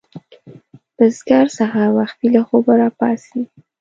بزګر سهار وختي له خوبه راپاڅي